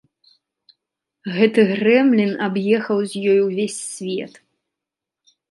Гэты грэмлін аб'ехаў з ёй увесь свет.